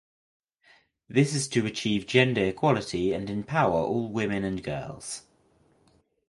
This is to achieve gender equality and empower all women and girls.